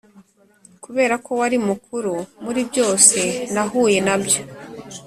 kuberako wari mukuru muri byose nahuye nabyo.